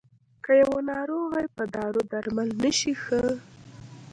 که يوه ناروغي په دارو درمل نه شي ښه.